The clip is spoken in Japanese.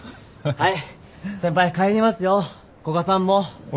はい。